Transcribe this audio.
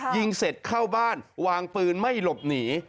ยิงเสร็จเข้าบ้านวางปืนไม่หลบหนี